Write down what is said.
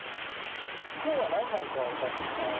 きょうは何枚買われたんです